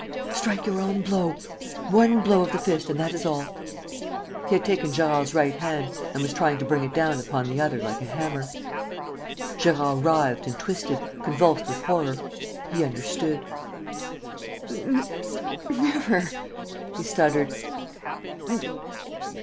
Strike your own blow. One blow of the fist and that is all!" He had taken Gérard's right hand and was trying to bring it down upon the other like a hammer. Gérard writhed and twisted, convulsed with horror. He understood: "Never!" he stuttered.